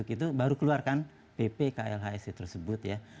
itu baru keluarkan pp klhsc tersebut ya